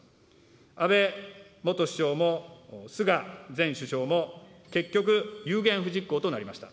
安倍元首相も菅前首相も結局、有言不実行となりました。